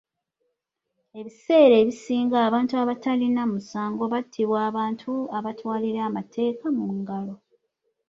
Ebiseera ebisinga abantu abatalina musango battibwa abantu abatwalira amateeka mu ngalo.